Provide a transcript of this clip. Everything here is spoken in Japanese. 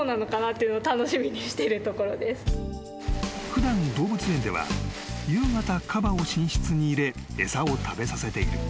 ［普段動物園では夕方カバを寝室に入れ餌を食べさせている］